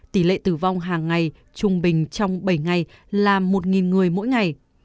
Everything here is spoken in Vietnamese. tỷ lệ tử vong hàng ngày trung bình trong bảy ngày là một người mỗi ngày